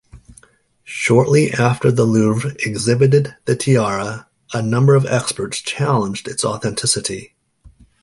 Shortly after the Louvre exhibited the tiara, a number of experts challenged its authenticity.